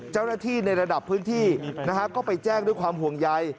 เจ้าหน้าที่ในระดับพื้นที่นะฮะก็ไปแจ้งด้วยความห่วงใย